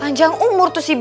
panjang umur tuh si b